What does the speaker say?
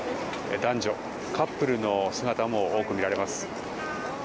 男女、カップルの姿も多く見られます。